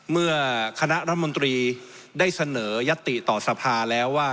เมื่อคณะรัฐมนตรีได้เสนอยัตติต่อสภาแล้วว่า